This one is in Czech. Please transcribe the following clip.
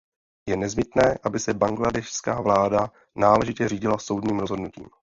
Je nezbytné, aby se bangladéšská vláda náležitě řídila soudním rozhodnutím.